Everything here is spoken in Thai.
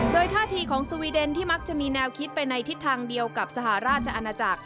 โดยท่าทีของสวีเดนที่มักจะมีแนวคิดไปในทิศทางเดียวกับสหราชอาณาจักร